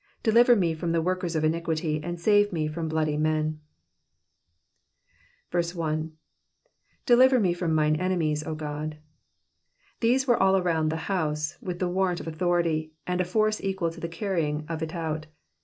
2. Deliver me from the workers of iniquity, and save me from bloody men, 1. ^^ Deliver me from mine enemies^ 0 my God.'*'* They were all round the house with the warrant of authority, and a force equal to the carrying of it out.